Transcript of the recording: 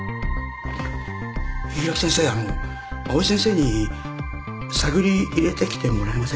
柊木先生あの藍井先生に探り入れてきてもらえませんか？